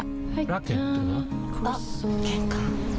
ラケットは？